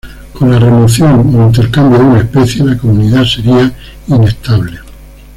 Con la remoción o intercambio de una especie, la comunidad sería inestable.